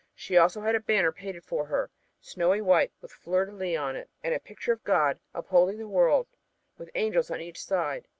She also had a banner painted for her, snowy white, with fleur de lis upon it and a picture of God holding up the world, with angels on each side.